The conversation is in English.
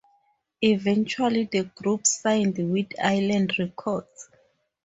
Eventually, the group signed with Island Records.